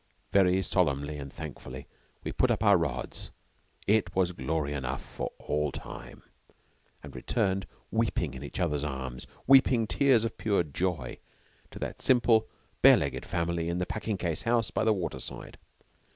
Very solemnly and thankfully we put up our rods it was glory enough for all time and returned weeping in each other's arms, weeping tears of pure joy, to that simple, bare legged family in the packing case house by the water side.